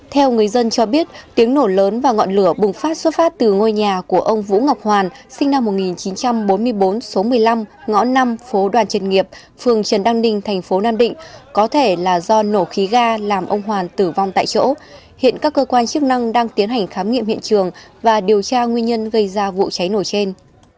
theo người dân cho biết tiếng nổ lớn và ngọn lửa bùng phát xuất phát từ ngôi nhà của ông vũ ngọc hoàn sinh năm một nghìn chín trăm bốn mươi bốn số một mươi năm ngõ năm phố đoàn trần nghiệp phường trần đăng ninh thành phố nam định có thể là do nổ khí ga làm ông hoàn tử vong tại chỗ hiện các cơ quan chức năng đang tiến hành khám nghiệm hiện trường và điều tra nguyên nhân gây ra vụ cháy nổ trên